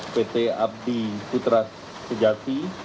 pt abdi putra sejati